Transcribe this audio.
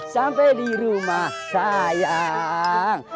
sampai di rumah sayang